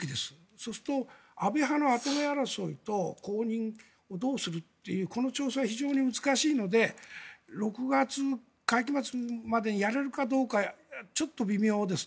そうすると安倍派の跡目争いと公認をどうするというこの調整は非常に難しいので６月の会期末までにやれるかどうかちょっと微妙です。